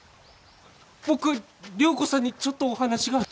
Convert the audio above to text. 僕良子さんにちょっとお話が。